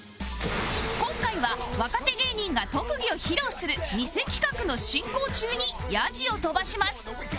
今回は若手芸人が特技を披露するニセ企画の進行中にヤジを飛ばします